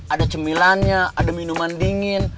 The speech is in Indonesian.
ada cemilannya ada minuman dingin